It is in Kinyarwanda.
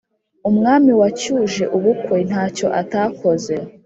umwami wacyuje ubukwe ntacyo atakoze